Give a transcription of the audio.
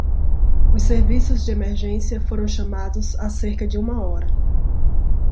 Os serviços de emergência foram chamados há cerca de uma hora.